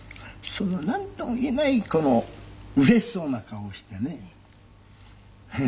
なんとも言えないこのうれしそうな顔をしてねハハ。